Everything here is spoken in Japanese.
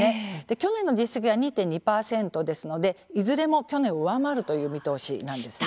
去年の実績が２．２％ですのでいずれも去年を上回るという見通しなんですね。